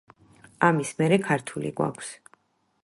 ამის მერე ქართული გვაქვს.